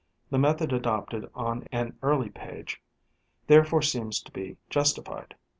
The method adopted on an early page therefore seems to be justified.